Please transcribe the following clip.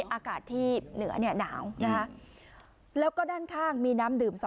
อากาศที่เหนือนาวด้านข้างมีน้ำดื่ม๒